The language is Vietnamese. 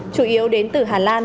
chủ yếu đến từ hà lan